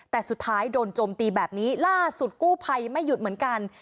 แต่สุดท้ายโดนโจมตีแบบนี้ล่าสุดกู้ภัยไม่หยุดเหมือนกัน